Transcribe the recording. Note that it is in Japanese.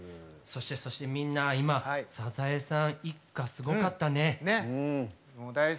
そして、みんな「サザエさん一家」すごかったね。